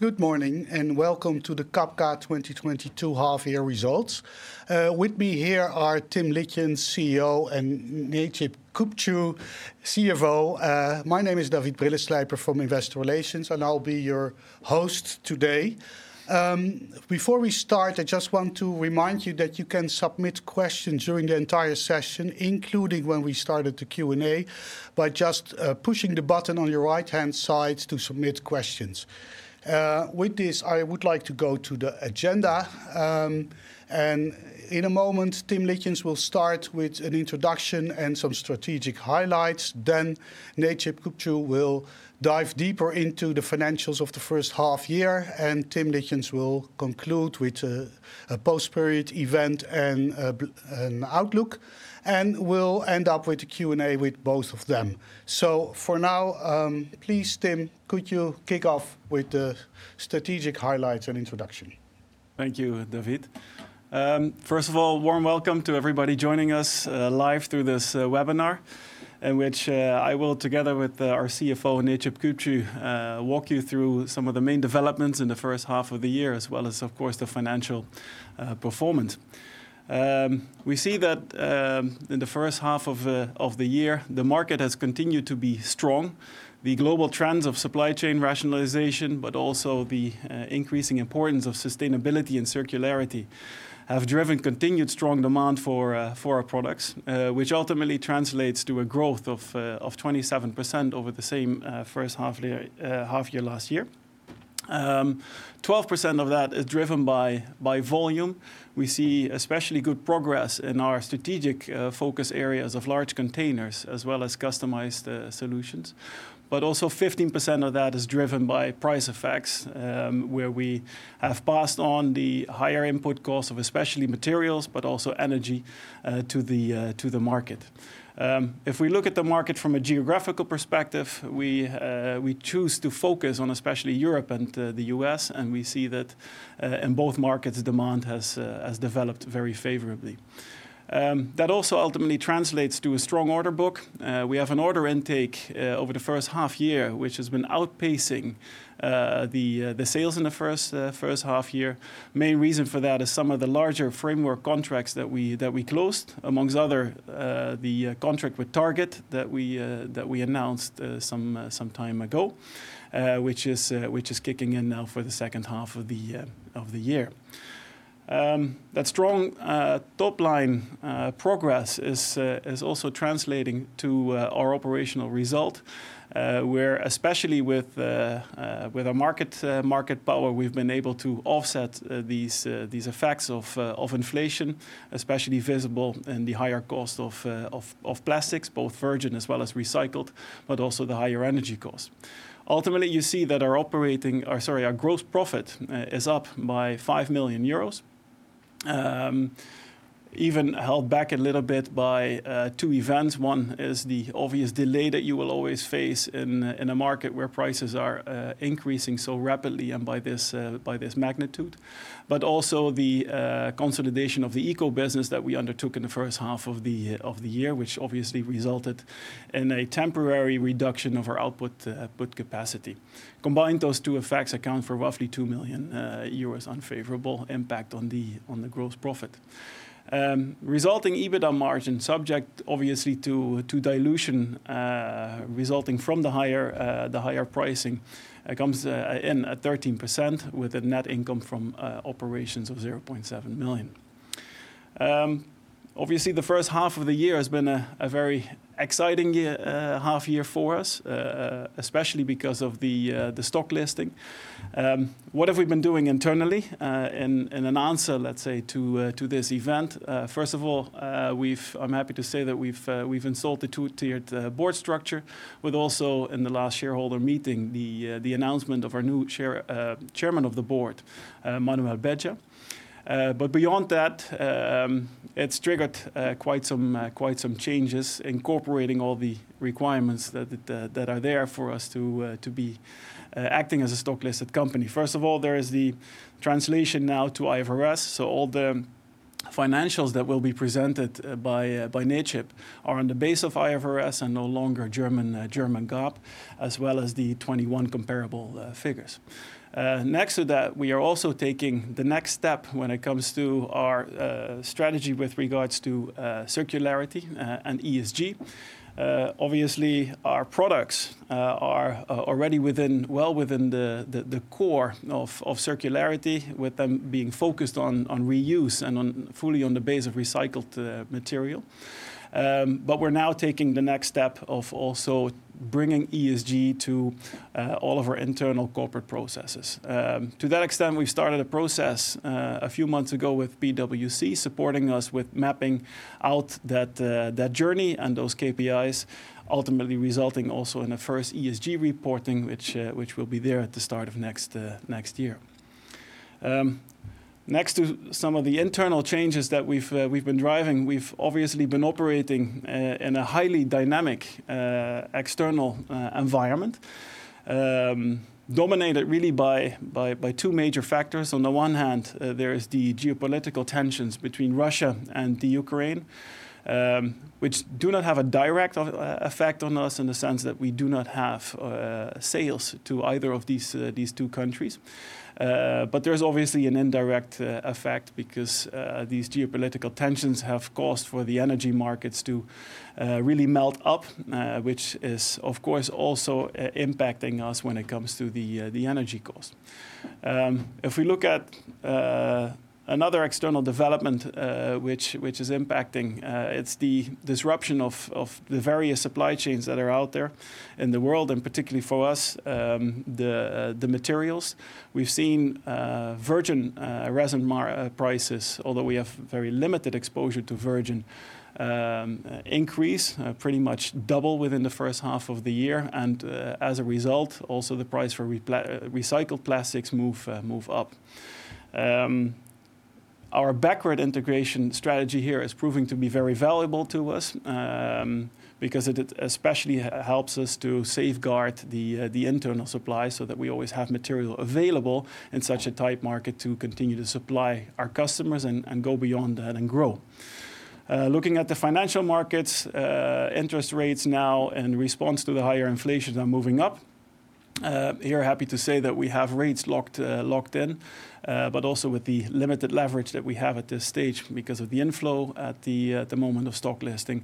Good morning, welcome to the Cabka 2022 half-year results. With me here are Tim Litjens, CEO, and Necip Küpcü, CFO. My name is David Brilleslijper from Investor Relations, and I'll be your host today. Before we start, I just want to remind you that you can submit questions during the entire session, including when we started the Q&A, by just pushing the button on your right-hand side to submit questions. With this, I would like to go to the agenda. In a moment, Tim Litjens will start with an introduction and some strategic highlights. Necip Küpcü will dive deeper into the financials of the first half year, and Tim Litjens will conclude with a post-period event and an outlook, and we'll end up with a Q&A with both of them. For now, please, Tim, could you kick off with the strategic highlights and introduction? Thank you, David. First of all, warm welcome to everybody joining us live through this webinar in which I will, together with our CFO, Necip Küpcü, walk you through some of the main developments in the first half of the year, as well as, of course, the financial performance. We see that in the first half of the year, the market has continued to be strong. The global trends of supply chain rationalization, but also the increasing importance of sustainability and circularity, have driven continued strong demand for our products, which ultimately translates to a growth of 27% over the same first half year last year. Twelve percent of that is driven by volume. We see especially good progress in our strategic focus areas of Large Containers as well as Customized solutions. Also 15% of that is driven by price effects, where we have passed on the higher input costs of especially materials, but also energy, to the market. If we look at the market from a geographical perspective, we choose to focus on especially Europe and the U.S., and we see that in both markets, demand has developed very favorably. That also ultimately translates to a strong order book. We have an order intake over the first half year, which has been outpacing the sales in the first half year. Main reason for that is some of the larger framework contracts that we closed, amongst other, the contract with Target that we announced some time ago, which is kicking in now for the second half of the year. That strong top-line progress is also translating to our operational result, where especially with our market power, we've been able to offset these effects of inflation, especially visible in the higher cost of plastics, both virgin as well as recycled, but also the higher energy costs. Ultimately, you see that our gross profit is up by 5 million euros, even held back a little bit by two events. One is the obvious delay that you will always face in a market where prices are increasing so rapidly and by this magnitude. Also the consolidation of the Eco business that we undertook in the first half of the year, which obviously resulted in a temporary reduction of our output capacity. Combined, those two effects account for roughly 2 million euros unfavorable impact on the gross profit. Resulting EBITDA margin subject obviously to dilution resulting from the higher pricing comes in at 13% with a net income from operations of 0.7 million. Obviously the first half of the year has been a very exciting half year for us, especially because of the stock listing. What have we been doing internally, in an answer, let's say, to this event? First of all, I'm happy to say that we've installed a two-tiered board structure with also in the last shareholder meeting the announcement of our new Chairman of the Board, Manuel Beja. Beyond that, it's triggered quite some changes incorporating all the requirements that are there for us to be acting as a stock-listed company. First of all, there is the translation now to IFRS, so all the financials that will be presented by Necip are on the basis of IFRS and no longer German GAAP, as well as the 2021 comparable figures. Next to that, we are also taking the next step when it comes to our strategy with regards to circularity and ESG. Obviously, our products are already well within the core of circularity with them being focused on reuse and fully on the base of recycled material. But we're now taking the next step of also bringing ESG to all of our internal corporate processes. To that extent, we've started a process a few months ago with PwC supporting us with mapping out that journey and those KPIs ultimately resulting also in a first ESG reporting which will be there at the start of next year. Next to some of the internal changes that we've been driving, we've obviously been operating in a highly dynamic external environment dominated really by two major factors. On the one hand, there is the geopolitical tensions between Russia and the Ukraine, which do not have a direct effect on us in the sense that we do not have sales to either of these two countries. But there's obviously an indirect effect because these geopolitical tensions have caused for the energy markets to really melt up, which is, of course, also impacting us when it comes to the energy cost. If we look at another external development, which is impacting. It's the disruption of the various supply chains that are out there in the world, and particularly for us, the materials. We've seen virgin resin market prices, although we have very limited exposure to virgin, increase pretty much double within the first half of the year. As a result, also the price for recycled plastics move up. Our backward integration strategy here is proving to be very valuable to us, because it especially helps us to safeguard the internal supply so that we always have material available in such a tight market to continue to supply our customers and go beyond that and grow. Looking at the financial markets, interest rates now in response to the higher inflation are moving up. Here, happy to say that we have rates locked in, but also with the limited leverage that we have at this stage because of the inflow at the moment of stock listing,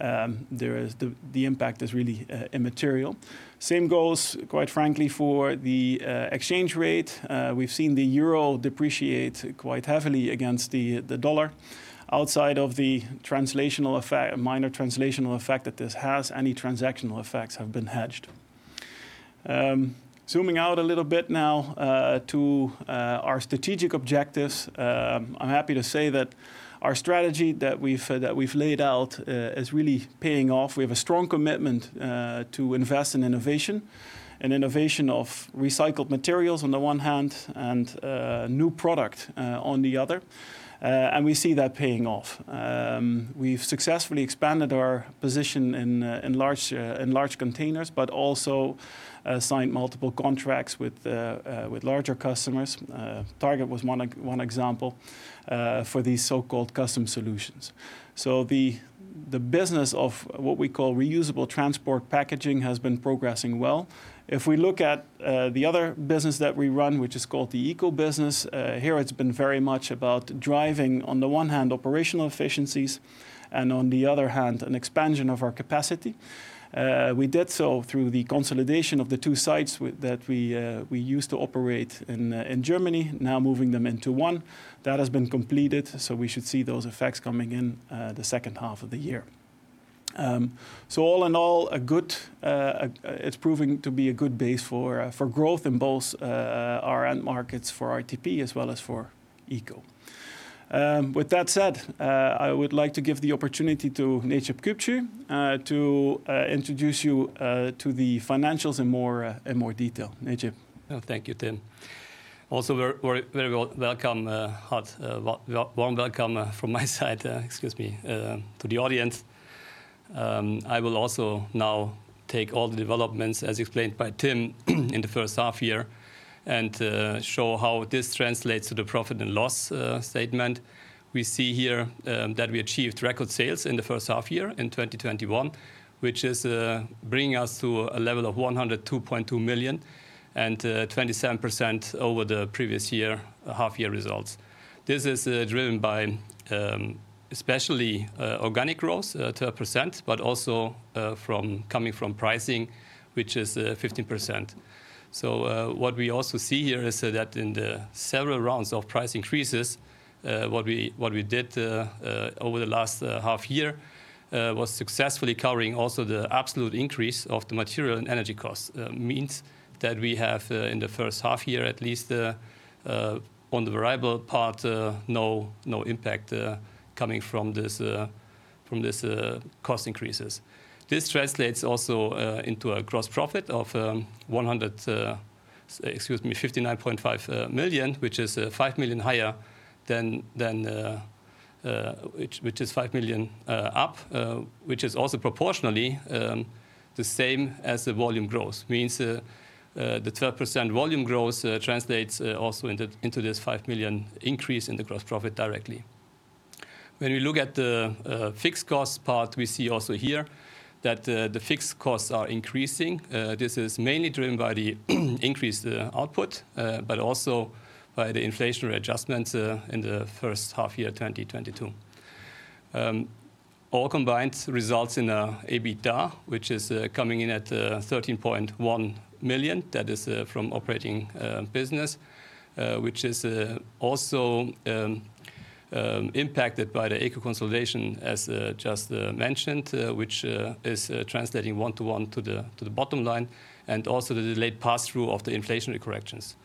the impact is really immaterial. Same goes, quite frankly, for the exchange rate. We've seen the euro depreciate quite heavily against the dollar. Outside of the minor translational effect that this has, any transactional effects have been hedged. Zooming out a little bit now to our strategic objectives, I'm happy to say that our strategy that we've laid out is really paying off. We have a strong commitment to invest in innovation and innovation of recycled materials on the one hand and new product on the other. We see that paying off. We've successfully expanded our position in Large Containers, but also signed multiple contracts with larger customers. Target was one example for these so-called Customized solutions. The business of what we call Reusable Transport Packaging has been progressing well. If we look at the other business that we run, which is called the Eco business, here it's been very much about driving, on the one hand, operational efficiencies and on the other hand, an expansion of our capacity. We did so through the consolidation of the two sites that we used to operate in Germany, now moving them into one. That has been completed. We should see those effects coming in the second half of the year. All in all, it's proving to be a good base for growth in both our end markets for RTP as well as for Eco. With that said, I would like to give the opportunity to Necip Küpcü to introduce you to the financials in more detail. Necip. Oh, thank you, Tim. Also, very warm welcome from my side to the audience. I will also now take all the developments, as explained by Tim, in the first half year and show how this translates to the profit and loss statement. We see here that we achieved record sales in the first half year in 2021, which is bringing us to a level of 102.2 million and 27% over the previous year half year results. This is driven by especially organic growth, 12%, but also coming from pricing, which is 15%. What we also see here is that in the several rounds of price increases, what we did over the last half year was successfully covering also the absolute increase of the material and energy costs. Means that we have in the first half year at least on the variable part no impact coming from this cost increases. This translates also into a gross profit of 59.5 million, which is 5 million higher, which is also proportionally the same as the volume growth. Means the 12% volume growth translates also into this 5 million increase in the gross profit directly. When we look at the fixed cost part, we see also here that the fixed costs are increasing. This is mainly driven by the increased output, but also by the inflationary adjustments in the first half year 2022. All combined results in EBITDA, which is coming in at 13.1 million. That is from operating business, which is also impacted by the Eco consolidation as just mentioned, which is translating one-to-one to the bottom line, and also the delayed pass-through of the inflationary corrections.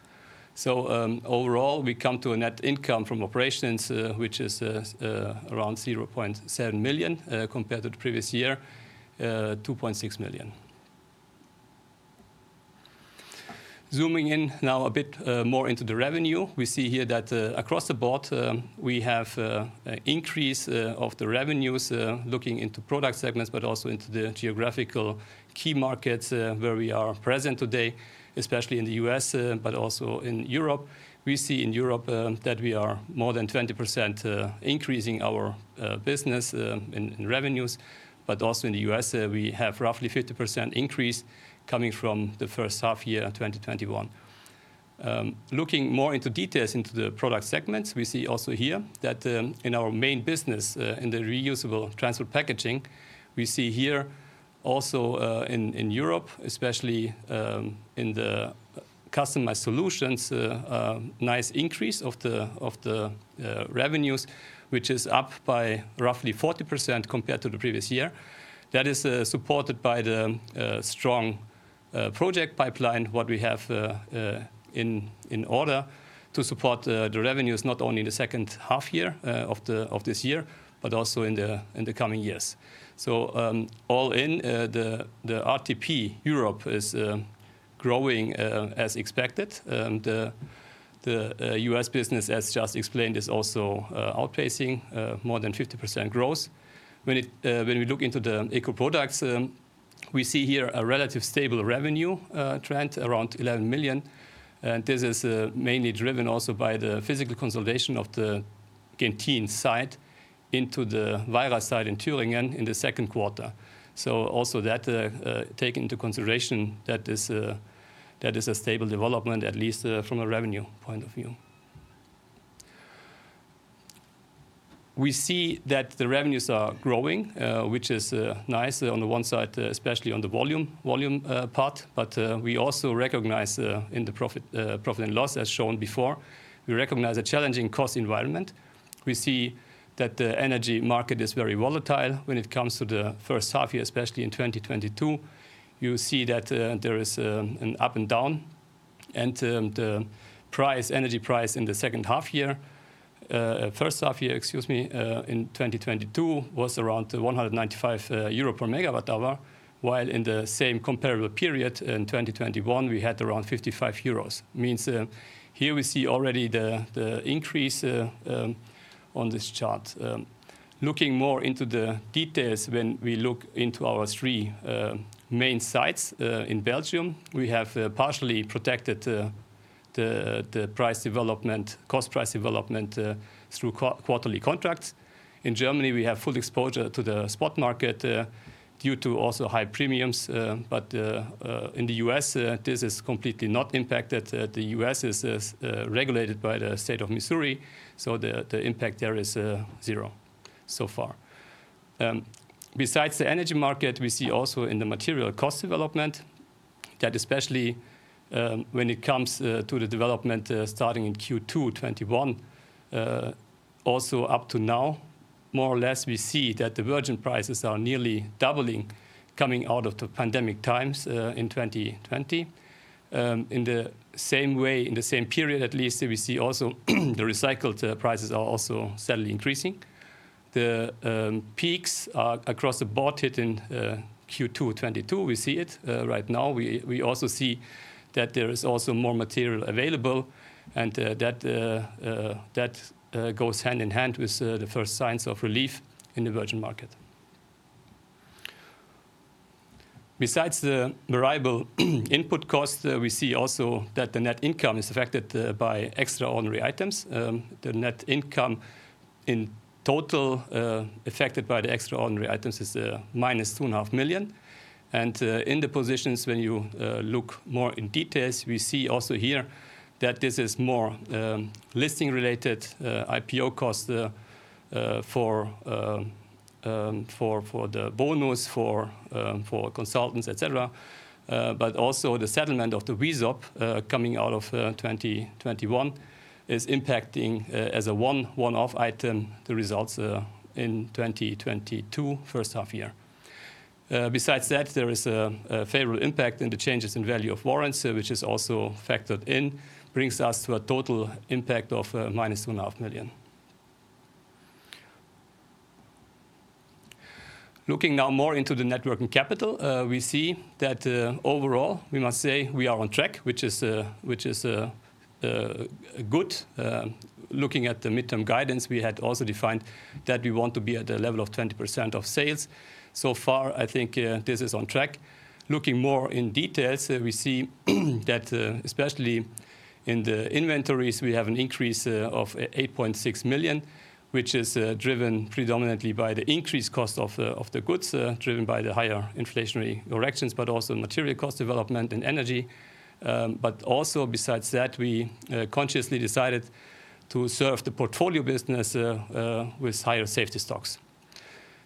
Overall, we come to a net income from operations, which is around 0.7 million, compared to the previous year 2.6 million. Zooming in now a bit more into the revenue. We see here that, across the board, we have increase of the revenues, looking into product segments, but also into the geographical key markets, where we are present today, especially in the U.S., but also in Europe. We see in Europe, that we are more than 20%, increasing our business in revenues. In the U.S., we have roughly 50% increase coming from the first half year, 2021. Looking more into details into the product segments, we see also here that, in our main business, in the reusable transport packaging, we see here also, in Europe, especially, in the customized solutions, a nice increase of the revenues, which is up by roughly 40% compared to the previous year. That is supported by the strong project pipeline what we have in order to support the revenues, not only in the second half year of this year, but also in the coming years. All in, the RTP Europe is growing as expected. The US business, as just explained, is also outpacing more than 50% growth. When we look into the ECO products, we see here a relatively stable revenue trend around 11 million. This is mainly driven also by the physical consolidation of the Genthin site into the Weira site in Thüringen in the second quarter. Also, take into consideration that is a stable development, at least, from a revenue point of view. We see that the revenues are growing, which is nice on the one side, especially on the volume part. We also recognize, in the profit and loss, as shown before, a challenging cost environment. We see that the energy market is very volatile when it comes to the first half year, especially in 2022. You see that there is an up and down and the energy price in the first half year in 2022 was around 195 euro per megawatt hour, while in the same comparable period in 2021, we had around 55 euros. Means, here we see already the increase on this chart. Looking more into the details, when we look into our three main sites in Belgium, we have partially protected the price development, cost price development, through quarterly contracts. In Germany, we have full exposure to the spot market, due to also high premiums. In the U.S., this is completely not impacted. The U.S. is regulated by the state of Missouri, so the impact there is zero so far. Besides the energy market, we see also in the material cost development that especially, when it comes to the development starting in Q2 2021, also up to now, more or less, we see that the virgin prices are nearly doubling coming out of the pandemic times in 2020. In the same way, in the same period at least, we see also the recycled prices are also steadily increasing. The peaks are across the board hit in Q2 2022. We see it right now. We also see that there is also more material available and that goes hand in hand with the first signs of relief in the virgin market. Besides the variable input cost, we see also that the net income is affected by extraordinary items. The net income in total, affected by the extraordinary items is, -2.5 Million. In the positions, when you look more in details, we see also here that this is more listing-related IPO costs, for the bonus, for consultants, et cetera. The settlement of the WISAG, coming out of 2021 is impacting, as a one-off item, the results in 2022, first half year. Besides that, there is a favorable impact in the changes in value of warrants, which is also factored in, brings us to a total impact of, -2.5 Million. Looking now more into the net working capital, we see that overall, we must say we are on track, which is good. Looking at the midterm guidance, we had also defined that we want to be at a level of 20% of sales. So far, I think this is on track. Looking more into details, we see that especially in the inventories, we have an increase of 8.6 million, which is driven predominantly by the increased cost of the goods driven by the higher inflationary corrections, but also material cost development and energy. But also besides that, we consciously decided to serve the portfolio business with higher safety stocks.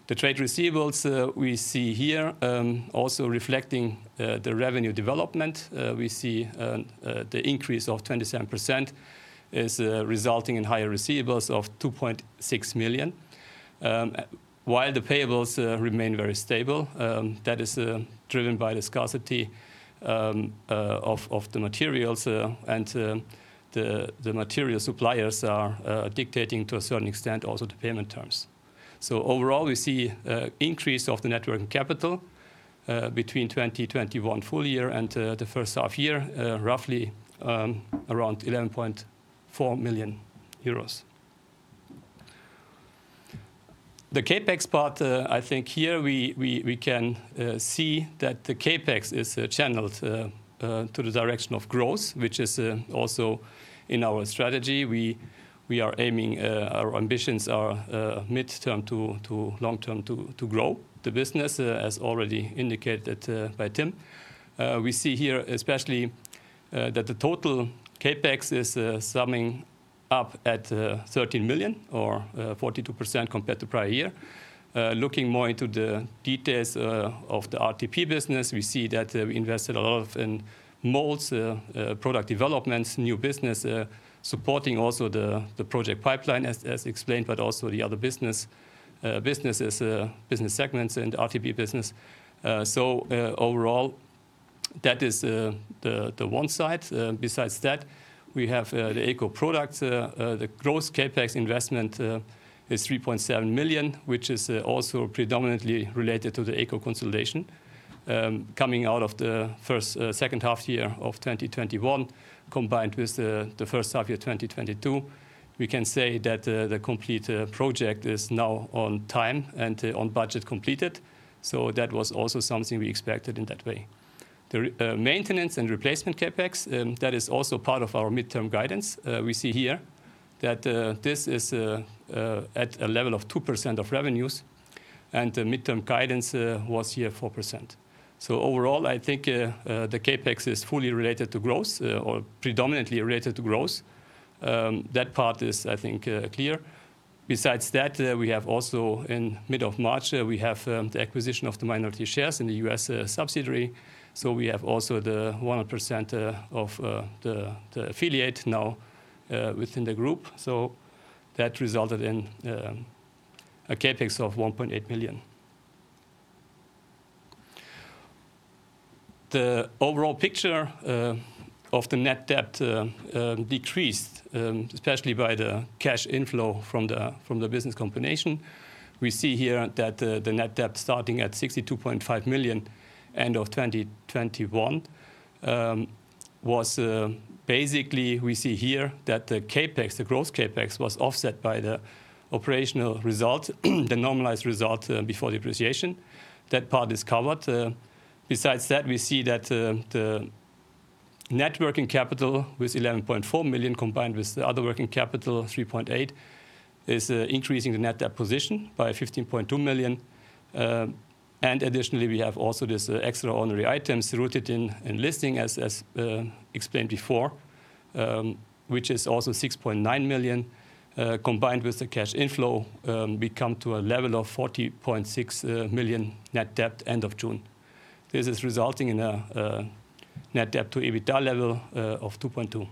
The trade receivables, we see here also reflecting the revenue development. We see the increase of 27% is resulting in higher receivables of 2.6 million while the payables remain very stable. That is driven by the scarcity of the materials and the material suppliers are dictating to a certain extent also the payment terms. Overall, we see increase of the net working capital between 2021 full year and the first half year roughly around EUR 11.4 million. The CapEx part, I think here we can see that the CapEx is channeled to the direction of growth, which is also in our strategy. We are aiming our ambitions are midterm to long term to grow the business, as already indicated by Tim. We see here especially that the total CapEx is summing up at 13 million or 42% compared to prior year. Looking more into the details of the RTP business, we see that we invested a lot of in molds, product developments, new business, supporting also the project pipeline as explained, but also the other business segments in the RTP business. Overall that is the one side. Besides that, we have the ECO product. The growth CapEx investment is 3.7 million, which is also predominantly related to the ECO consolidation. Coming out of the second half year of 2021 combined with the first half year 2022, we can say that the complete project is now on time and on budget completed. That was also something we expected in that way. The maintenance and replacement CapEx, that is also part of our midterm guidance. We see here that this is at a level of 2% of revenues, and the midterm guidance was here 4%. Overall, I think the CapEx is fully related to growth or predominantly related to growth. That part is, I think, clear. Besides that, we have also in middle of March, we have the acquisition of the minority shares in the U.S. subsidiary. We have also the 100% of the affiliate now within the group. That resulted in a CapEx of 1.8 million. The overall picture of the net debt decreased, especially by the cash inflow from the business combination. We see here that the net debt starting at 62.5 million end of 2021 was basically we see here that the CapEx, the growth CapEx, was offset by the operational result, the normalized result before depreciation. That part is covered. Besides that, we see that the net working capital with 11.4 million combined with the other working capital, 3.8 million, is increasing the net debt position by 15.2 million. Additionally, we have also this extraordinary items rooted in listing costs, as explained before, which is also 6.9 million. Combined with the cash inflow, we come to a level of 40.6 million net debt end of June. This is resulting in a net debt to EBITDA level of 2.2.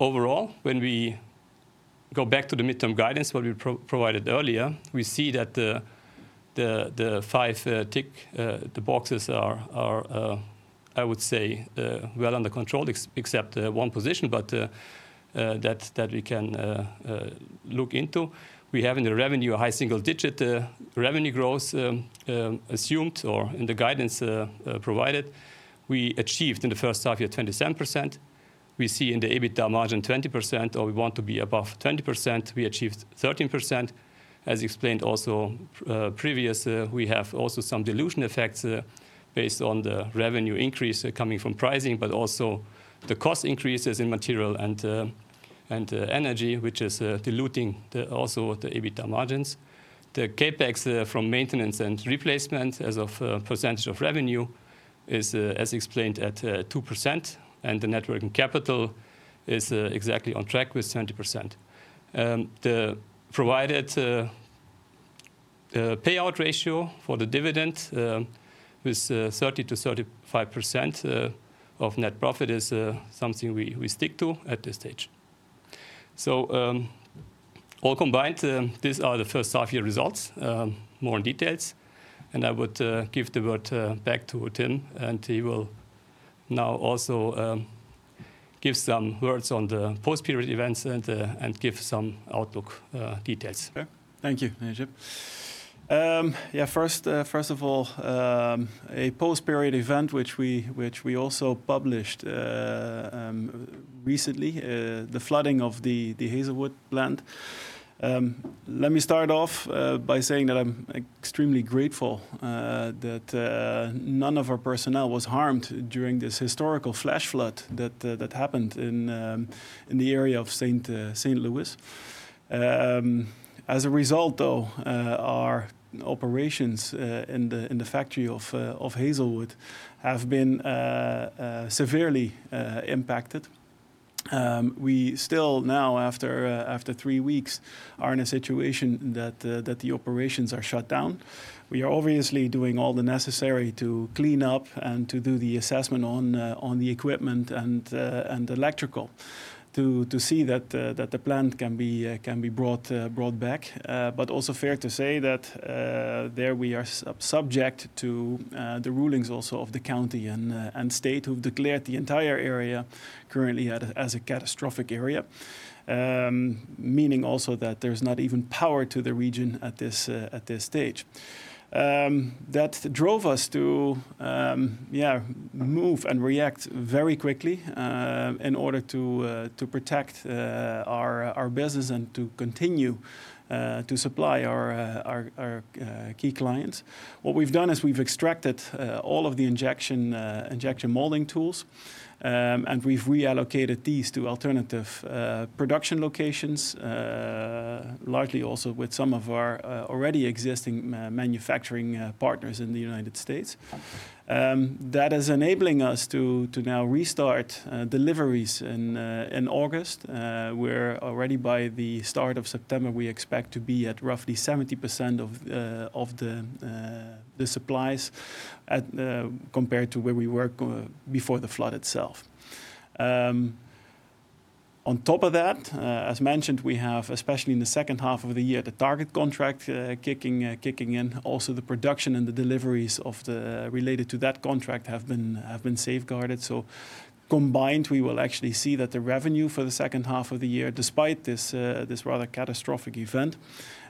Overall, when we go back to the midterm guidance what we provided earlier, we see that the five tick boxes are, I would say, well under control except one position. That we can look into. We have in the revenue a high single digit revenue growth assumed or in the guidance provided. We achieved in the first half year 27%. We see in the EBITDA margin 20%, or we want to be above 20%. We achieved 13%. As explained also previous, we have also some dilution effects based on the revenue increase coming from pricing, but also the cost increases in material and energy, which is diluting the also the EBITDA margins. The CapEx from maintenance and replacement as of percentage of revenue is, as explained, at 2%, and the net working capital is exactly on track with 20%. The provided payout ratio for the dividend with 30%-35% of net profit is something we stick to at this stage. All combined, these are the first half year results, more in details. I would give the word back to Tim, and he will now also give some words on the post-period events and give some outlook details. Thank you, Necip Küpcü. A post-period event which we also published recently, the flooding of the Hazelwood plant. Let me start off by saying that I'm extremely grateful that none of our personnel was harmed during this historical flash flood that happened in the area of St. Louis. As a result, though, our operations in the factory of Hazelwood have been severely impacted. We still now after three weeks are in a situation that the operations are shut down. We are obviously doing all the necessary to clean up and to do the assessment on the equipment and electrical to see that the plant can be brought back. Also fair to say that we are subject to the rulings also of the county and state who've declared the entire area currently as a catastrophic area. Meaning also that there's not even power to the region at this stage. That drove us to move and react very quickly in order to protect our business and to continue to supply our key clients. What we've done is we've extracted all of the injection molding tools, and we've reallocated these to alternative production locations, largely also with some of our already existing manufacturing partners in the United States. That is enabling us to now restart deliveries in August. Where already by the start of September, we expect to be at roughly 70% of the supplies compared to where we were before the flood itself. On top of that, as mentioned, we have, especially in the second half of the year, the Target contract kicking in. Also, the production and the deliveries related to that contract have been safeguarded. Combined, we will actually see that the revenue for the second half of the year, despite this rather catastrophic event,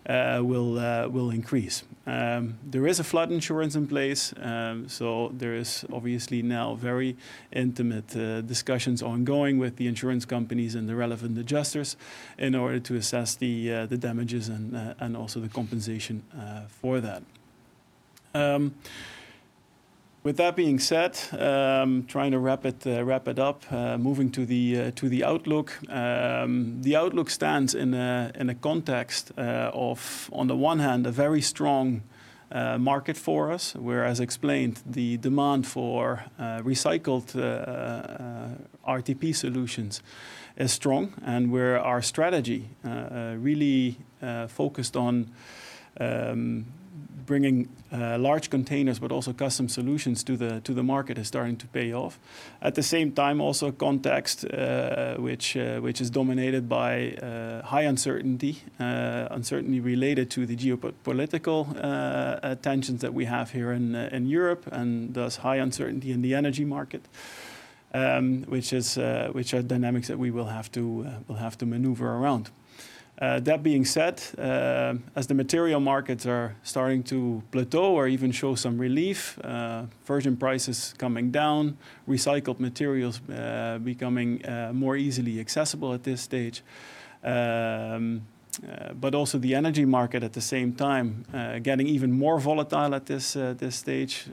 will increase. There is a flood insurance in place, so there is obviously now very intimate discussions ongoing with the insurance companies and the relevant adjusters in order to assess the damages and also the compensation for that. With that being said, trying to wrap it up, moving to the outlook. The outlook stands in a context, on the one hand, a very strong market for us, where, as explained, the demand for recycled RTP solutions is strong and where our strategy really focused on bringing Large Containers, but also Customized solutions to the market is starting to pay off. At the same time, also a context which is dominated by high uncertainty related to the geopolitical tensions that we have here in Europe and thus high uncertainty in the energy market, which are dynamics that we will have to maneuver around. That being said, as the material markets are starting to plateau or even show some relief, virgin prices coming down, recycled materials becoming more easily accessible at this stage, but also the energy market at the same time getting even more volatile at this stage,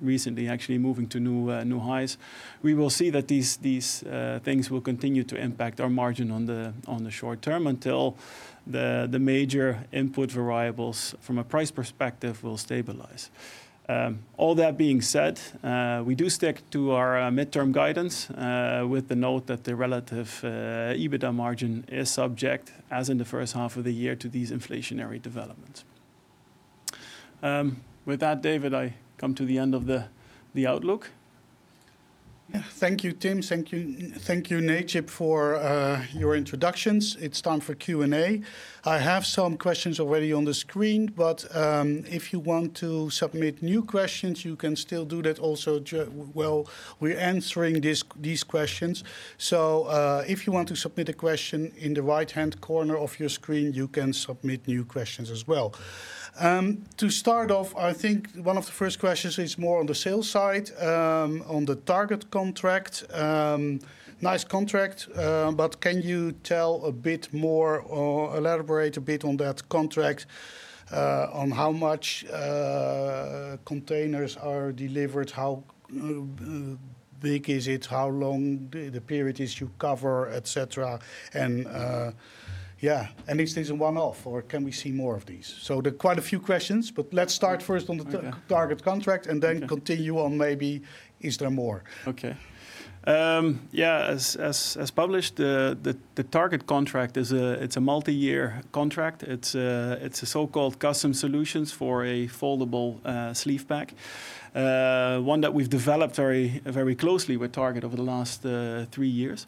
recently actually moving to new highs. We will see that these things will continue to impact our margin on the short term until the major input variables from a price perspective will stabilize. All that being said, we do stick to our midterm guidance, with the note that the relative EBITDA margin is subject, as in the first half of the year, to these inflationary developments. With that, David, I come to the end of the outlook. Thank you, Tim. Thank you, Necip, for your introductions. It's time for Q&A. I have some questions already on the screen, but if you want to submit new questions, you can still do that. Well, we're answering these questions. If you want to submit a question in the right-hand corner of your screen, you can submit new questions as well. To start off, I think one of the first questions is more on the sales side, on the Target contract. Nice contract, but can you tell a bit more or elaborate a bit on that contract, on how much containers are delivered? How big is it? How long the period is you cover, et cetera? Yeah, is this a one-off, or can we see more of these? There are quite a few questions, but let's start first on the Target contract and then continue on maybe is there more? Okay. Yeah, as published, the Target contract is a, it's a so-called Customized solutions for a foldable Sleeve packs. One that we've developed very closely with Target over the last three years.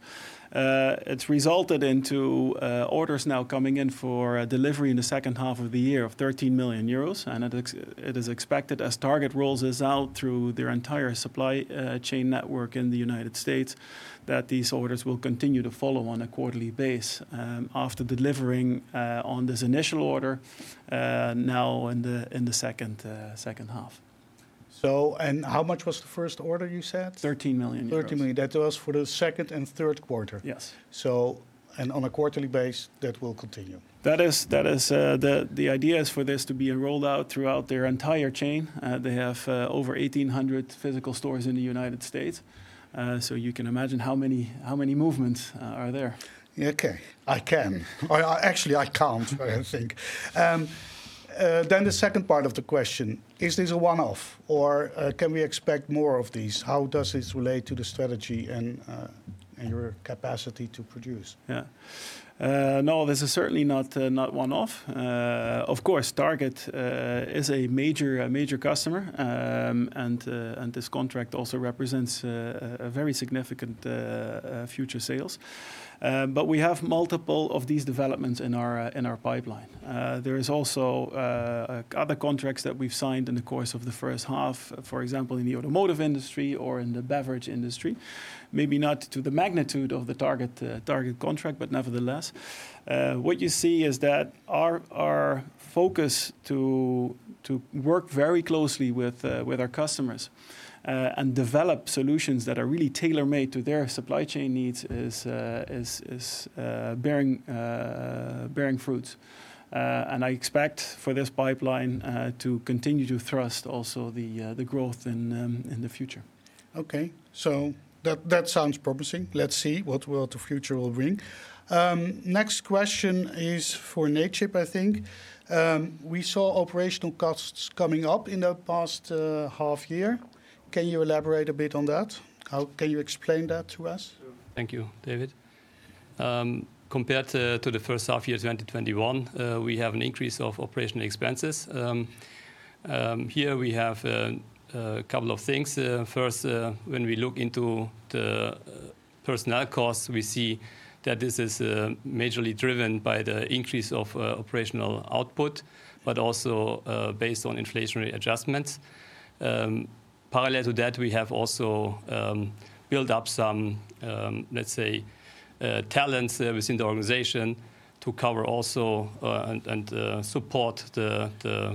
It's resulted into orders now coming in for a delivery in the second half of the year of 13 million euros, and it is expected as Target rolls this out through their entire supply chain network in the United States, that these orders will continue to follow on a quarterly basis, after delivering on this initial order, now in the second half. How much was the first order you said? 13 million. 13 million euros. That was for the second and third quarter. Yes. On a quarterly basis, that will continue. That is, the idea is for this to be rolled out throughout their entire chain. They have over 1,800 physical stores in the United States. So you can imagine how many movements are there. Actually, I can't, I think. The second part of the question is this a one-off or can we expect more of these? How does this relate to the strategy and your capacity to produce? No, this is certainly not one-off. Of course, Target is a major customer. This contract also represents a very significant future sales. We have multiple of these developments in our pipeline. There is also other contracts that we've signed in the course of the first half, for example, in the automotive industry or in the beverage industry. Maybe not to the magnitude of the Target contract, but nevertheless, what you see is that our focus to work very closely with our customers and develop solutions that are really tailor-made to their supply chain needs is bearing fruit. I expect for this pipeline to continue to thrust also the growth in the future. Okay. That sounds promising. Let's see what will the future will bring. Next question is for Necip, I think. We saw operational costs coming up in the past half year. Can you elaborate a bit on that? Can you explain that to us? Thank you, David. Compared to the first half year, 2021, we have an increase of operational expenses. Here we have a couple of things. First, when we look into the personnel costs, we see that this is majorly driven by the increase of operational output, but also based on inflationary adjustments. Parallel to that, we have also built up some, let's say, talents within the organization to cover also and support the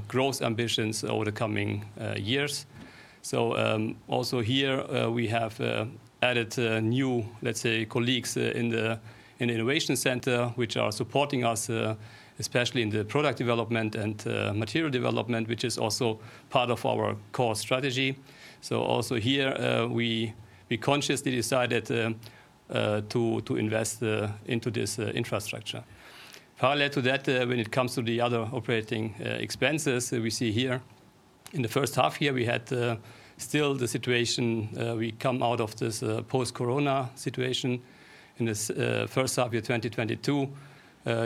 growth ambitions over the coming years. Also here, we have added new, let's say, colleagues in an innovation center, which are supporting us especially in the product development and material development, which is also part of our core strategy. Also here, we consciously decided to invest into this infrastructure. Parallel to that, when it comes to the other operating expenses that we see here, in the first half year, we had still the situation we come out of this post-corona situation in this first half year, 2022.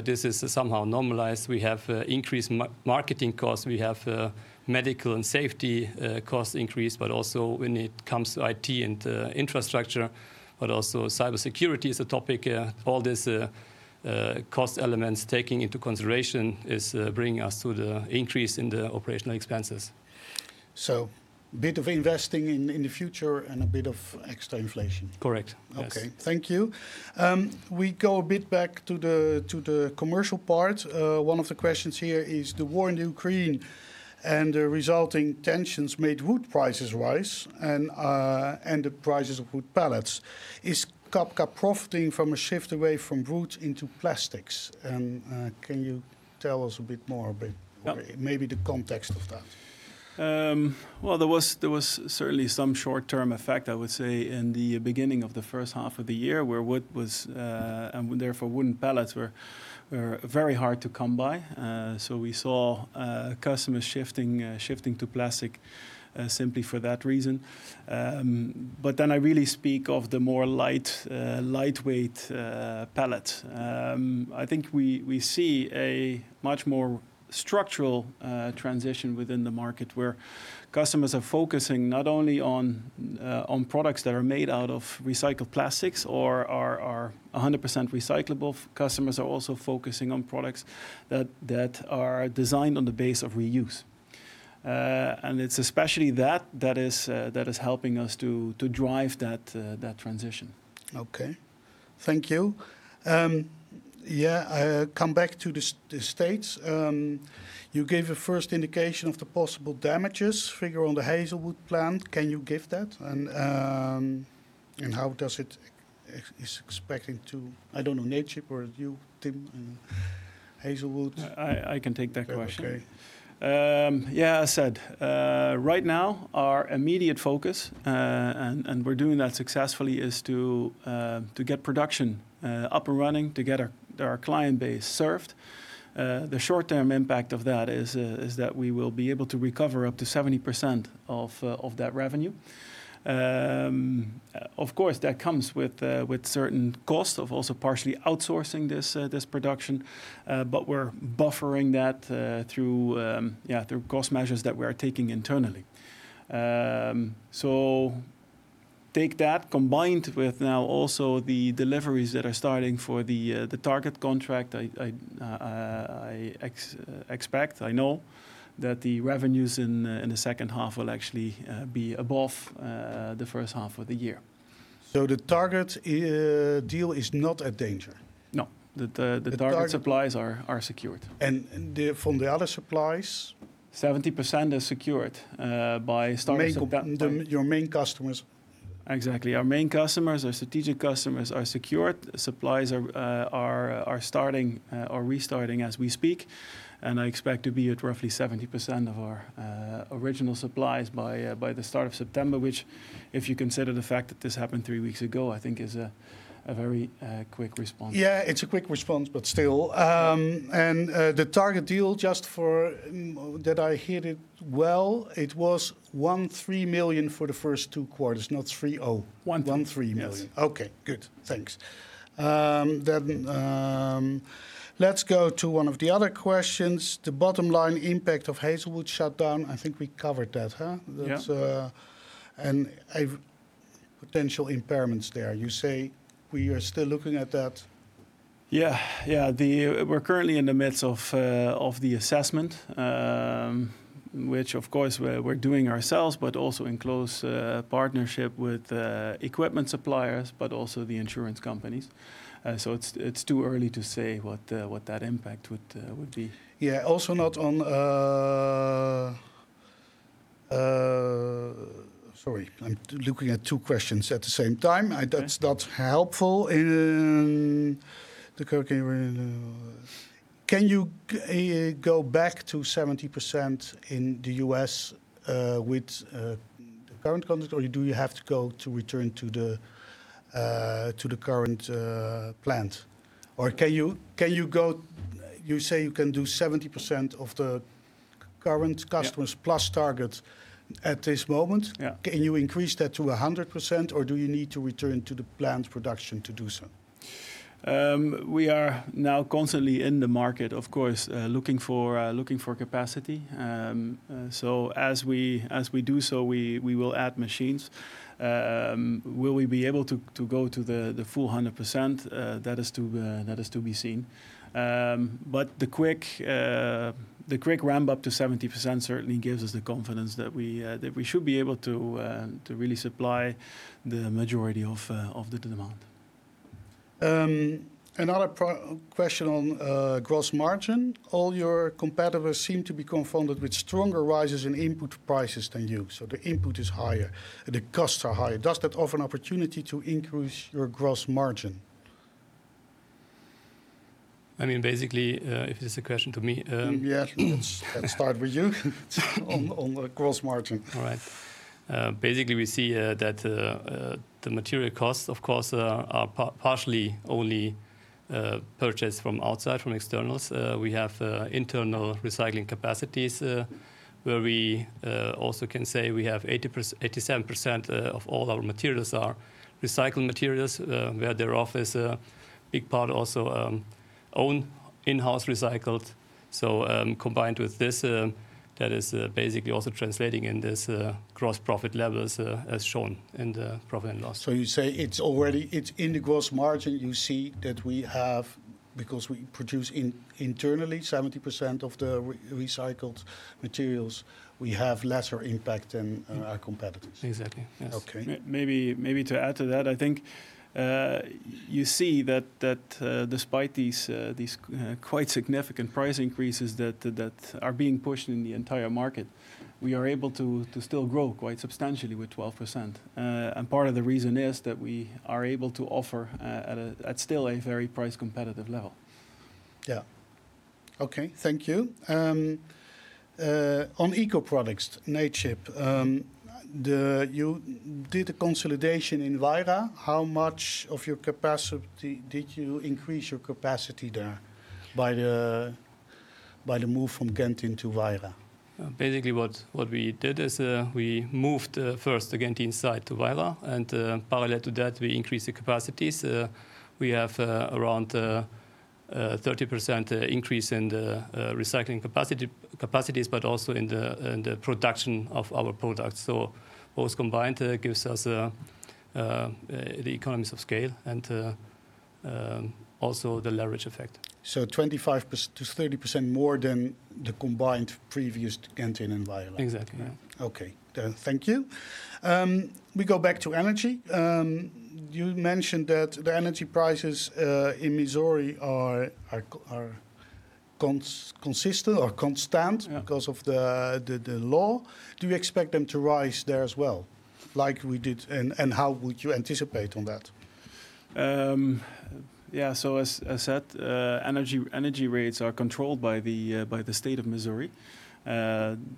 This is somehow normalized. We have increased marketing costs. We have medical and safety cost increase, but also when it comes to IT and infrastructure, but also cybersecurity is a topic. All this cost elements taking into consideration is bringing us to the increase in the operating expenses. Bit of investing in the future and a bit of extra inflation. Correct. Yes. Okay. Thank you. We go a bit back to the commercial part. One of the questions here is the war in Ukraine and the resulting tensions made wood prices rise and the prices of wood pallets. Is Cabka profiting from a shift away from wood into plastics? Can you tell us a bit more? Yeah Maybe the context of that? Well, there was certainly some short-term effect, I would say, in the beginning of the first half of the year where wood was and therefore wooden pallets were very hard to come by. We saw customers shifting to plastic simply for that reason. But then I really speak of the more lightweight pallet. I think we see a much more structural transition within the market where customers are focusing not only on products that are made out of recycled plastics or are a hundred percent recyclable. Customers are also focusing on products that are designed on the basis of reuse. It's especially that is helping us to drive that transition. Okay. Thank you. I come back to the States. You gave a first indication of the possible damages figure on the Hazelwood plant. Can you give that? How does it is expecting to? I don't know, Necip or you, Tim, Hazelwood. I can take that question. Okay. As I said, right now our immediate focus, and we're doing that successfully, is to get production up and running, to get our client base served. The short-term impact of that is that we will be able to recover up to 70% of that revenue. Of course, that comes with certain costs of also partially outsourcing this production. We're buffering that through cost measures that we are taking internally. Take that combined with now also the deliveries that are starting for the Target contract. I expect, I know that the revenues in the second half will actually be above the first half of the year. The Target deal is not a danger? No. The Target supplies are secured. From the other supplies? 70% is secured. your main customers Exactly. Our main customers, our strategic customers are secured. Supplies are starting or restarting as we speak. I expect to be at roughly 70% of our original supplies by the start of September, which if you consider the fact that this happened three weeks ago, I think is a very quick response. Yeah, it's a quick response, but still. The Target deal. Did I hear it well? It was $13 million for the first two quarters, not $30. 1 3. 13 million. Yes. Okay, good. Thanks. Let's go to one of the other questions. The bottom line impact of Hazelwood shutdown, I think we covered that, huh? Yeah. That's a potential impairments there. You say we are still looking at that. Yeah. We're currently in the midst of the assessment, which of course we're doing ourselves, but also in close partnership with equipment suppliers, but also the insurance companies. It's too early to say what that impact would be. Yeah. Sorry, I'm looking at two questions at the same time. Okay. That's not helpful in the current context. Can you go back to 70% in the U.S. with the current context? Or do you have to return to the current plant? You say you can do 70% of the current customers. Yeah plus targets at this moment. Yeah. Can you increase that to 100%, or do you need to return to the plant production to do so? We are now constantly in the market, of course, looking for capacity. As we do so, we will add machines. Will we be able to go to the full 100%? That is to be seen. The quick ramp up to 70% certainly gives us the confidence that we should be able to really supply the majority of the demand. Another question on gross margin. All your competitors seem to be confronted with stronger rises in input prices than you. The input is higher and the costs are higher. Does that offer an opportunity to increase your gross margin? I mean, basically, if this is a question to me. Let's start with you on the gross margin. All right. Basically we see that the material costs of course are partially only purchased from outside, from externals. We have internal recycling capacities where we also can say we have 87% of all our materials are recycled materials where thereof is a big part also own in-house recycled. Combined with this that is basically also translating in this gross profit levels as shown in the profit and loss. You say it's already. It's in the gross margin, you see that we have, because we produce internally 70% of the recycled materials, we have lesser impact than our competitors. Exactly. Yes. Okay. Maybe to add to that, I think you see that despite these quite significant price increases that are being pushed in the entire market, we are able to still grow quite substantially with 12%. Part of the reason is that we are able to offer at still a very price competitive level. On ECO products, Necip, you did a consolidation in Weira. How much of your capacity did you increase your capacity there by the move from Genthin to Weira? Basically, what we did is we moved first the Genthin site to Weira, and parallel to that we increased the capacities. We have around 30% increase in the recycling capacity, but also in the production of our products. Both combined gives us the economies of scale and also the leverage effect. 25%-30% more than the combined previous Genthin and Weira. Exactly. Yeah. Okay. Thank you. We go back to energy. You mentioned that the energy prices in Missouri are consistent or constant- Yeah because of the law. Do you expect them to rise there as well, like we did? How would you anticipate on that? As said, energy rates are controlled by the state of Missouri.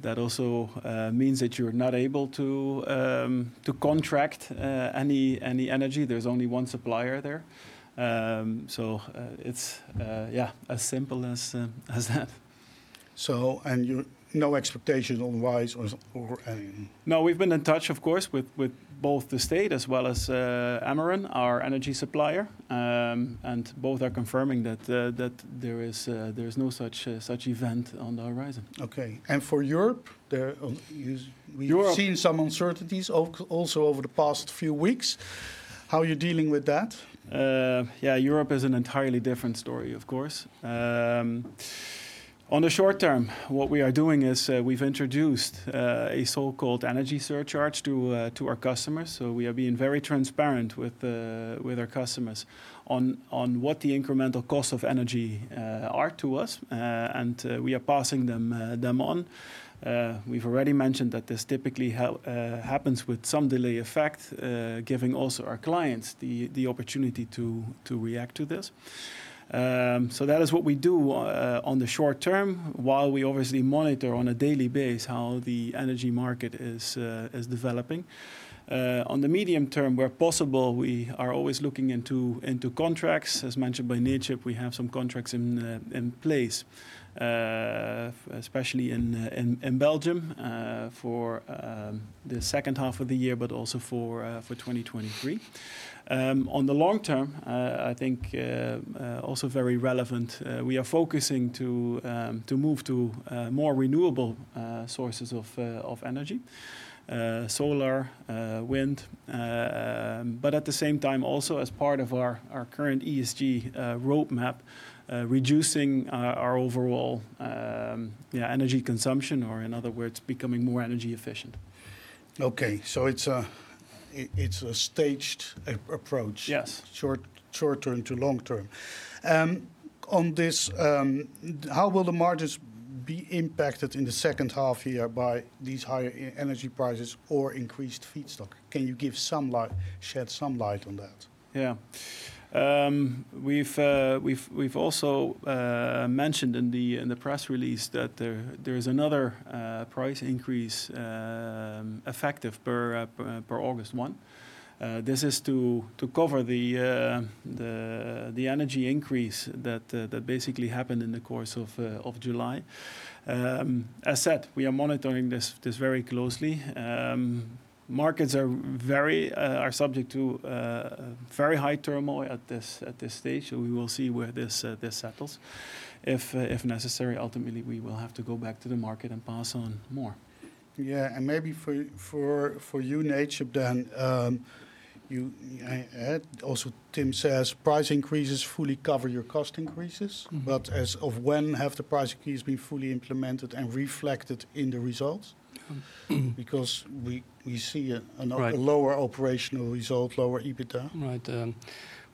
That also means that you're not able to contract any energy. There's only one supplier there. It's as simple as that. No expectations on rise or any. No, we've been in touch of course with both the state as well as Ameren, our energy supplier. Both are confirming that there is no such event on the horizon. Okay. For Europe, there, Europe- We've seen some uncertainties also over the past few weeks. How are you dealing with that? Europe is an entirely different story, of course. On the short term, what we are doing is, we've introduced a so-called energy surcharge to our customers. We are being very transparent with our customers on what the incremental costs of energy are to us, and we are passing them on. We've already mentioned that this typically happens with some delay effect, giving also our clients the opportunity to react to this. That is what we do on the short term, while we obviously monitor on a daily basis how the energy market is developing. On the medium term, where possible, we are always looking into contracts. As mentioned by Necip Küpcü, we have some contracts in place, especially in Belgium, for the second half of the year, but also for 2023. On the long term, I think also very relevant, we are focusing to move to more renewable sources of energy, solar, wind. At the same time, also as part of our current ESG roadmap, reducing our overall energy consumption, or in other words, becoming more energy efficient. Okay. It's a staged approach. Yes Short term to long term. On this, how will the margins be impacted in the second half year by these higher energy prices or increased feedstock? Can you shed some light on that? Yeah. We've also mentioned in the press release that there is another price increase effective per August 1. This is to cover the energy increase that basically happened in the course of July. As said, we are monitoring this very closely. Markets are subject to very high turmoil at this stage, so we will see where this settles. If necessary, ultimately we will have to go back to the market and pass on more. Yeah. Maybe for you, Necip, then, you. Also Tim says price increases fully cover your cost increases. As of when have the price increases been fully implemented and reflected in the results? Because we see Right A lower operational result, lower EBITDA. Right.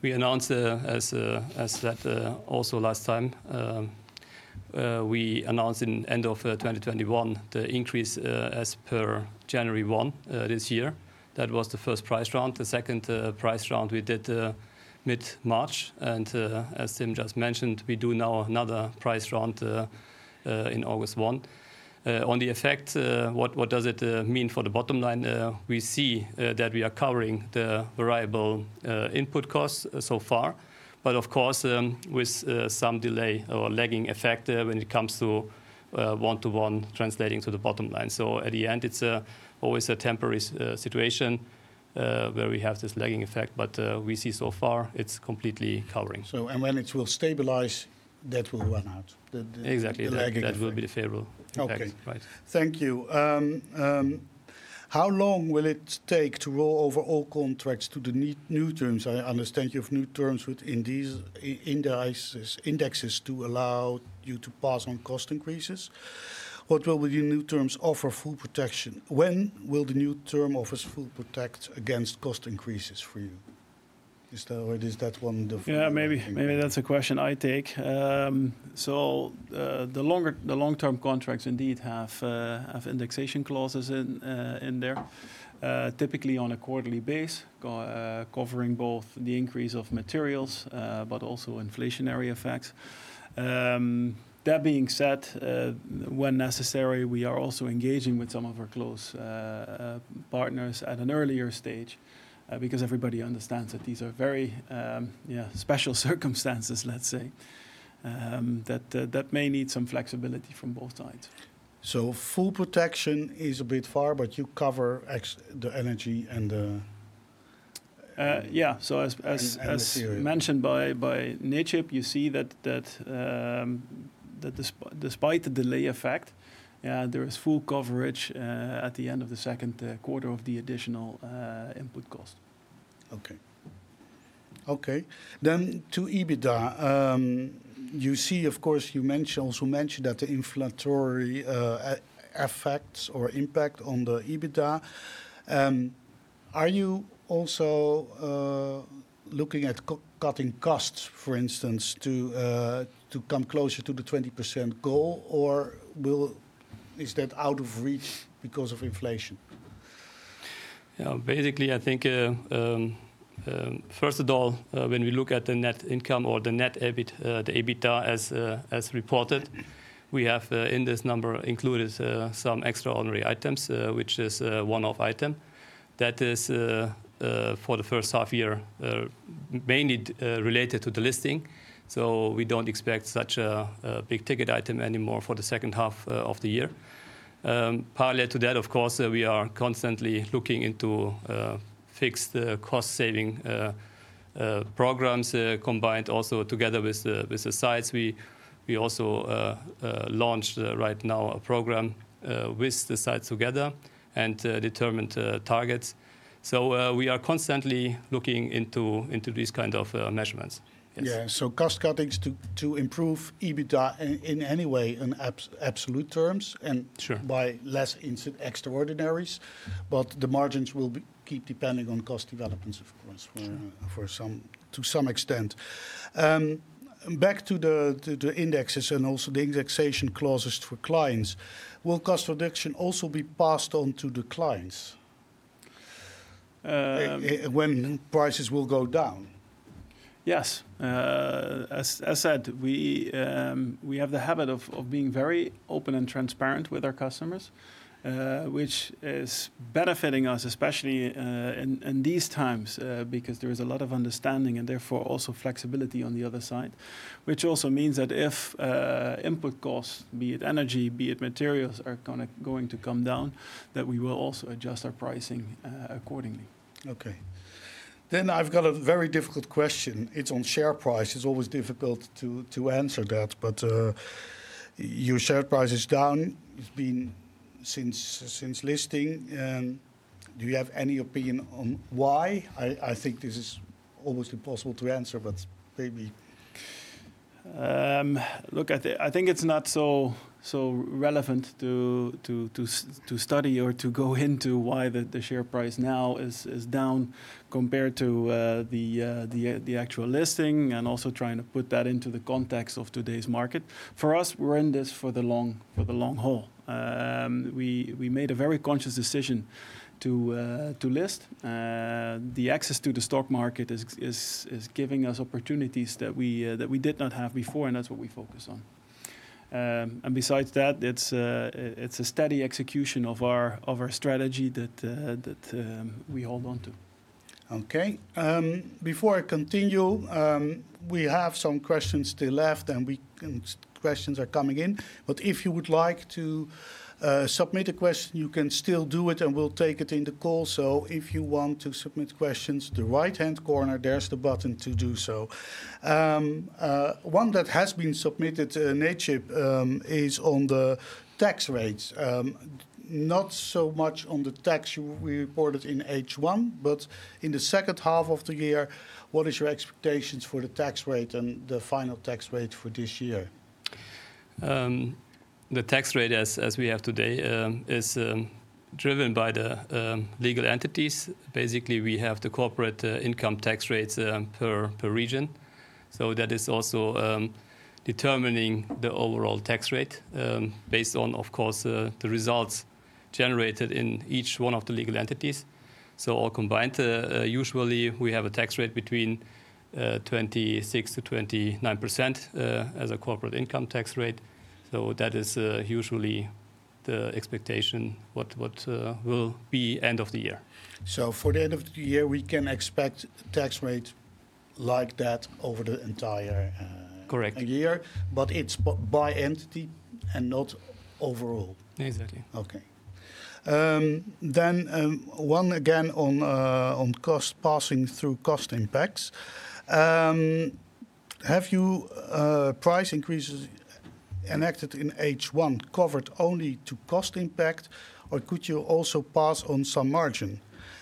We announced, as said, also last time, we announced in end of 2021 the increase, as per January 1, this year. That was the first price round. The second price round we did, mid-March, and, as Tim just mentioned, we do now another price round, in August 1. On the effect, what does it mean for the bottom line? We see that we are covering the variable input costs so far, but of course, with some delay or lagging effect, when it comes to one-to-one translating to the bottom line. At the end, it's always a temporary situation, where we have this lagging effect, but we see so far it's completely covering. When it will stabilize, that will run out. Exactly. the lagging effect that will be the favorable effect. Okay. Right. Thank you. How long will it take to roll over all contracts to the new terms? I understand you have new terms with indices to allow you to pass on cost increases. What will the new terms offer full protection? When will the new term offers full protect against cost increases for you? Is that already? Is that one the Yeah. Maybe that's a question I take. The long-term contracts indeed have indexation clauses in there, typically on a quarterly basis, covering both the increase of materials, but also inflationary effects. That being said, when necessary, we are also engaging with some of our close partners at an earlier stage, because everybody understands that these are very special circumstances, let's say, that may need some flexibility from both sides. Full protection is a bit far, but you cover the energy. Yeah. material As mentioned by Necip Küpcü, you see that despite the delay effect, yeah, there is full coverage at the end of the second quarter of the additional input cost. To EBITDA, you see, of course, you mention, also mentioned that the inflationary effects or impact on the EBITDA. Are you also looking at cost-cutting costs, for instance, to come closer to the 20% goal, or is that out of reach because of inflation? Yeah. Basically, I think, first of all, when we look at the net income or the net EBIT, the EBITDA as reported, we have in this number included some extraordinary items, which is one-off item. That is for the first half year, mainly related to the listing. We don't expect such a big-ticket item anymore for the second half of the year. Parallel to that, of course, we are constantly looking into fixed cost saving programs, combined also together with the sites. We also launched right now a program with the sites together and determined targets. We are constantly looking into these kind of measurements. Yes. Cost cutting to improve EBITDA in any way in absolute terms and. Sure... by less extraordinaries, but the margins will be kept depending on cost developments, of course. Sure for some, to some extent. Back to the indexes and also the indexation clauses for clients, will cost reduction also be passed on to the clients? Um- When prices will go down. Yes. As said, we have the habit of being very open and transparent with our customers, which is benefiting us, especially in these times, because there is a lot of understanding and therefore also flexibility on the other side. Which also means that if input costs, be it energy, be it materials, are going to come down, that we will also adjust our pricing accordingly. Okay. I've got a very difficult question. It's on share price. It's always difficult to answer that, but your share price is down. It's been since listing. Do you have any opinion on why? I think this is almost impossible to answer, but maybe. Look, I think it's not so relevant to study or to go into why the share price now is down compared to the actual listing and also trying to put that into the context of today's market. For us, we're in this for the long haul. We made a very conscious decision to list. The access to the stock market is giving us opportunities that we did not have before, and that's what we focus on. Besides that, it's a steady execution of our strategy that we hold onto. Okay. Before I continue, we have some questions still left, and questions are coming in. If you would like to submit a question, you can still do it, and we'll take it in the call. If you want to submit questions, the right-hand corner, there's the button to do so. One that has been submitted, Necip, is on the tax rates. Not so much on the tax you reported in H1, but in the second half of the year, what is your expectations for the tax rate and the final tax rate for this year? The tax rate as we have today is driven by the legal entities. Basically, we have the corporate income tax rates per region. That is also determining the overall tax rate based on, of course, the results generated in each one of the legal entities. All combined, usually we have a tax rate between 26%-29% as a corporate income tax rate. That is usually the expectation what will be end of the year. For the end of the year, we can expect tax rate like that over the entire. Correct year, it's by entity and not overall. Exactly. Okay. One more on cost passing through cost impacts. Have your price increases enacted in H1 covered only the cost impact, or could you also pass on some margin?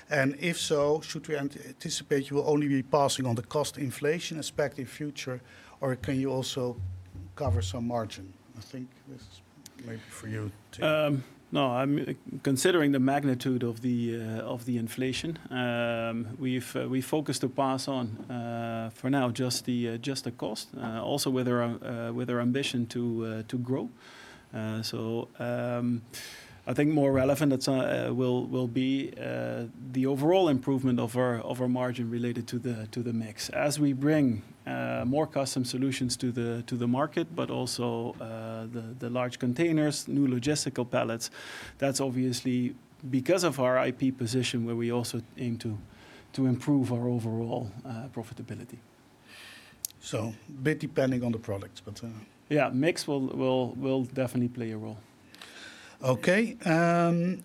If so, should we anticipate you will only be passing on the cost inflation aspect in future, or can you also cover some margin? I think this is maybe for you, Litjens. No, considering the magnitude of the inflation, we focus to pass on, for now, just the cost, also with our ambition to grow. I think more relevant that will be the overall improvement of our margin related to the mix. As we bring more Customized solutions to the market, but also the Large Containers, new logistical pallets, that's obviously because of our IP position where we also aim to improve our overall profitability. A bit depending on the product, but, Yeah, mix will definitely play a role. Okay.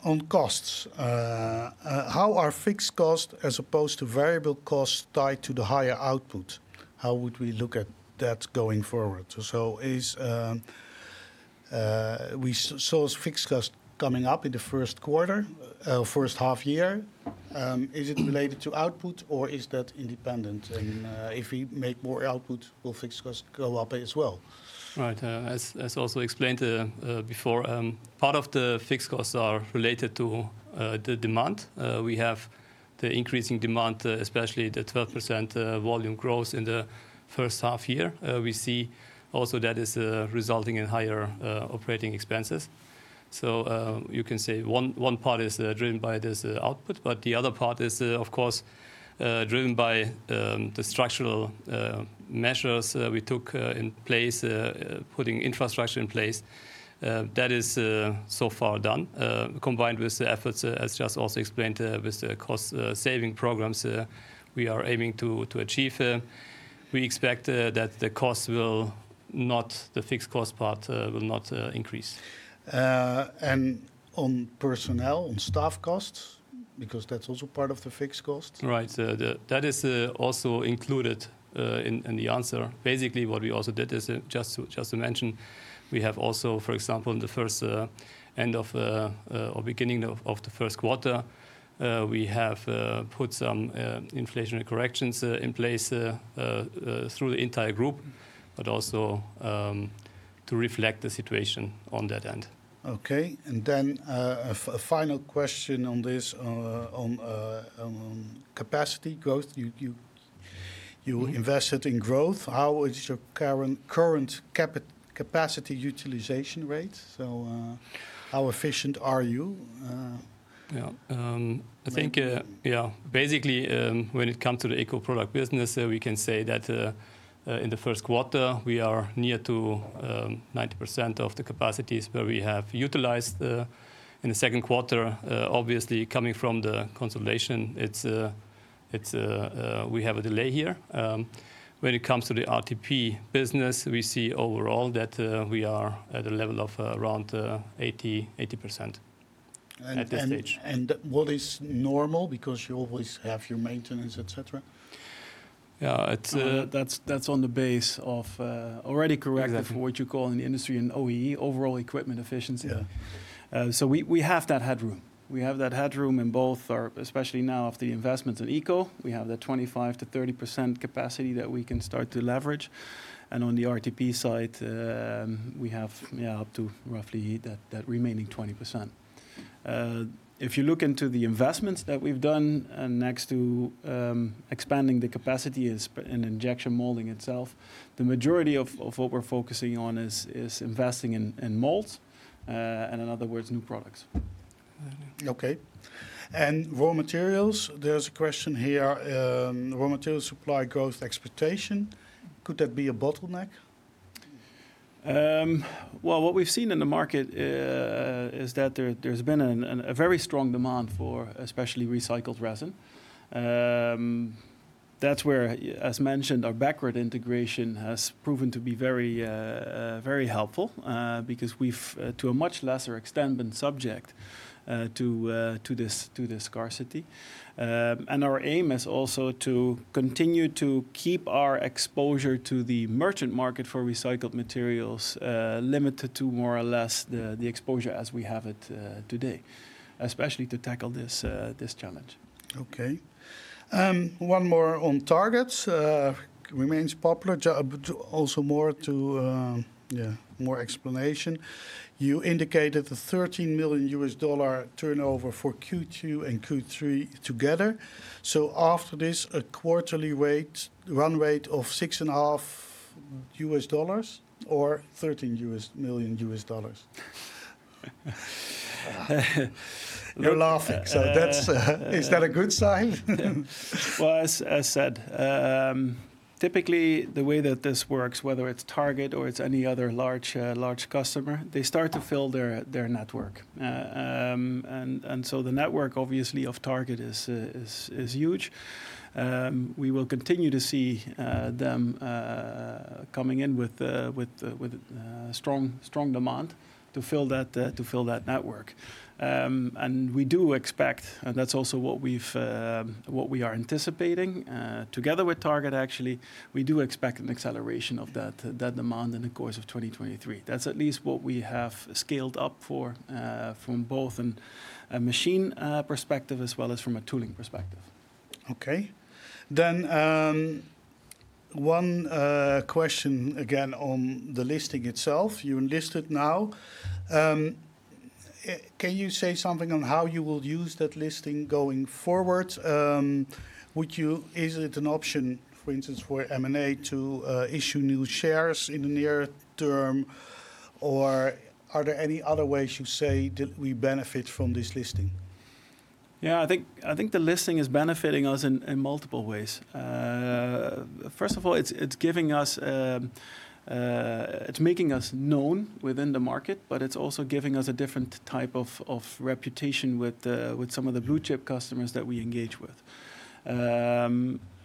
On costs. How are fixed costs as opposed to variable costs tied to the higher output? How would we look at that going forward? As we saw fixed cost coming up in the first quarter, first half year. Is it related to output, or is that independent? If we make more output, will fixed costs go up as well? Right. As also explained before, part of the fixed costs are related to the demand. We have the increasing demand, especially the 12% volume growth in the first half year. We see also that is resulting in higher operating expenses. You can say one part is driven by this output, but the other part is of course driven by the structural measures we took, putting infrastructure in place. That is so far done. Combined with the efforts, as just also explained, with the cost saving programs, we are aiming to achieve. We expect the fixed cost part will not increase. On personnel, on staff costs, because that's also part of the fixed costs. Right. That is also included in the answer. Basically, what we also did is just to mention, we have also, for example, in the beginning of the first quarter, we have put some inflationary corrections in place through the entire group, but also to reflect the situation on that end. Okay. A final question on this, on capacity growth. You Mm-hmm... invested in growth. How is your current capacity utilization rate? How efficient are you? Yeah. mainly I think, yeah, basically, when it comes to the Eco product business, we can say that in the first quarter, we are near to 90% of the capacities where we have utilized. In the second quarter, obviously coming from the consolidation, we have a delay here. When it comes to the RTP business, we see overall that we are at a level of around 80% at this stage. What is normal? Because you always have your maintenance, et cetera. Yeah. It's That's on the basis of already corrected. Exactly for what you call in the industry an OEE, overall equipment efficiency. Yeah. We have that headroom. We have that headroom in both our. Especially now with the investment in Eco, we have that 25%-30% capacity that we can start to leverage. On the RTP side, we have up to roughly that remaining 20%. If you look into the investments that we've done, next to expanding the capacity in injection molding itself, the majority of what we're focusing on is investing in molds, and in other words, new products. Okay. Raw materials, there's a question here, raw material supply growth expectation, could that be a bottleneck? Well, what we've seen in the market is that there's been a very strong demand for especially recycled resin. That's where, as mentioned, our backward integration has proven to be very helpful, because we've to a much lesser extent been subject to this scarcity. Our aim is also to continue to keep our exposure to the merchant market for recycled materials limited to more or less the exposure as we have it today, especially to tackle this challenge. Okay. One more on Target remains popular, but also more explanation. You indicated the $13 million turnover for Q2 and Q3 together. After this, a quarterly rate, run rate of $6.5 million or $13 million? You're laughing. That's, is that a good sign? Well, as said, typically the way that this works, whether it's Target or it's any other large customer, they start to fill their network. The network obviously of Target is huge. We will continue to see them coming in with strong demand to fill that network. We do expect, and that's also what we are anticipating, together with Target, actually, we do expect an acceleration of that demand in the course of 2023. That's at least what we have scaled up for, from both a machine perspective as well as from a tooling perspective. Okay. One question again on the listing itself. You're listed now. Can you say something on how you will use that listing going forward? Is it an option, for instance, for M&A to issue new shares in the near term? Or are there any other ways you see that we benefit from this listing? I think the listing is benefiting us in multiple ways. First of all, it's making us known within the market, but it's also giving us a different type of reputation with some of the blue chip customers that we engage with.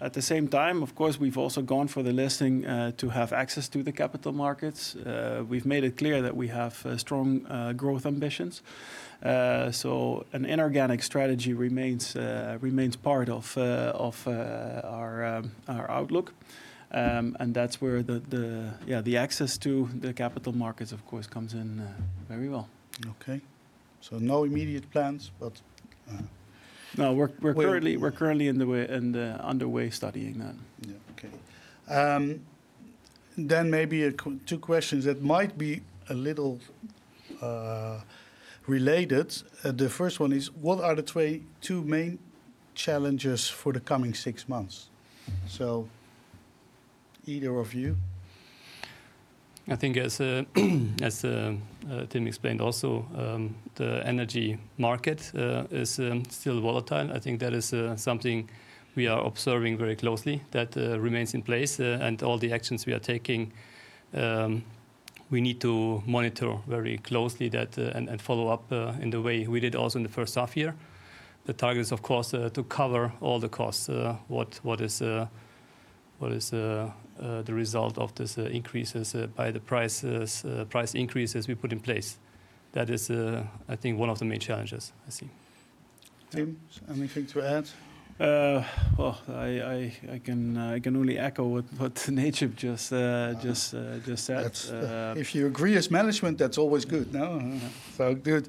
At the same time, of course, we've also gone for the listing to have access to the capital markets. We've made it clear that we have strong growth ambitions. So an inorganic strategy remains part of our outlook. That's where the access to the capital markets, of course, comes in very well. Okay. No immediate plans, but. No, we're currently. Wait We're currently underway studying that. Yeah. Okay. Maybe two questions that might be a little related. The first one is, what are the two main challenges for the coming six months? Either of you. I think as Tim explained also, the energy market is still volatile. I think that is something we are observing very closely that remains in place. All the actions we are taking, we need to monitor very closely and follow up in the way we did also in the first half year. The target is, of course, to cover all the costs. What is the result of these increases by the price increases we put in place? That is, I think one of the main challenges I see. Tim, anything to add? Well, I can only echo what Necip just said. If you agree as management, that's always good, no? So good.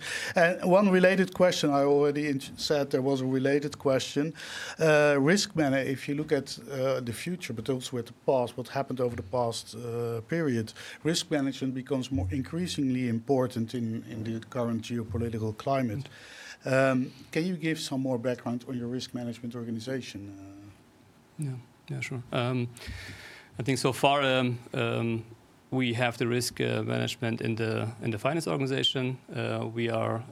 One related question, I already said there was a related question. If you look at the future, but also at the past, what happened over the past period, risk management becomes more increasingly important in the current geopolitical climate. Can you give some more background on your risk management organization? Yeah. Yeah, sure. I think so far, we have the risk management in the finance organization. We are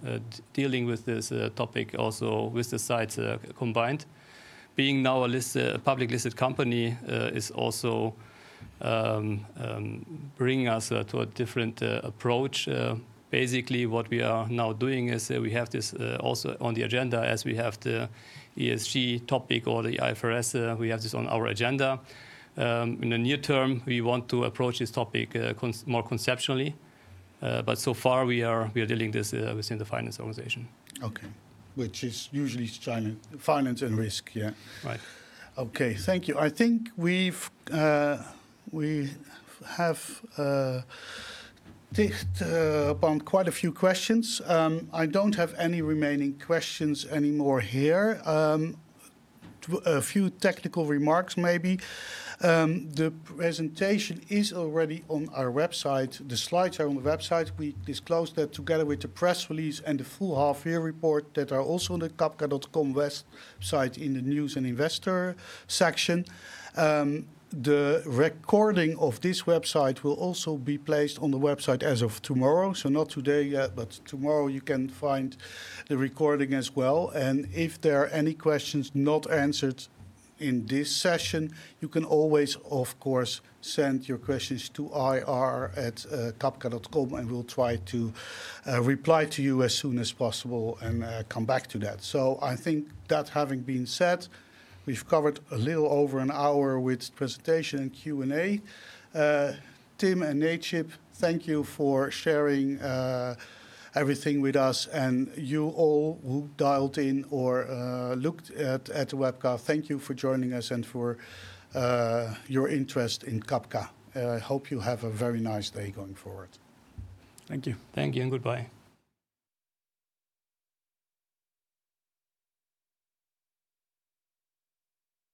dealing with this topic also with the sites combined. Being now a publicly listed company is also bringing us to a different approach. Basically what we are now doing is, we have this also on the agenda as we have the ESG topic or the IFRS, we have this on our agenda. In the near term, we want to approach this topic more conceptually. So far we are dealing with this within the finance organization. Okay. Which is usually finance and risk, yeah. Right. Okay. Thank you. I think we have touched upon quite a few questions. I don't have any remaining questions anymore here. A few technical remarks maybe. The presentation is already on our website. The slides are on the website. We disclosed that together with the press release and the full half-year report that are also on the cabka.com website in the News and Investor section. The recording of this webcast will also be placed on the website as of tomorrow. Not today yet, but tomorrow you can find the recording as well. If there are any questions not answered in this session, you can always, of course, send your questions to IR@cabka.com and we'll try to reply to you as soon as possible and come back to that. I think that having been said, we've covered a little over an hour with presentation and Q&A. Tim and Necip, thank you for sharing everything with us. You all who dialed in or looked at the webcast, thank you for joining us and for your interest in Cabka. I hope you have a very nice day going forward. Thank you. Thank you, and goodbye.